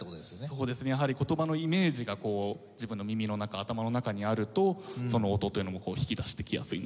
そうですねやはり言葉のイメージがこう自分の耳の中頭の中にあるとその音というのも引き出してきやすいのかなと。